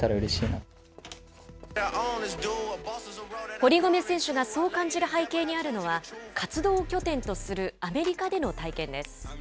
堀米選手がそう感じる背景にあるのは、活動拠点とするアメリカでの体験です。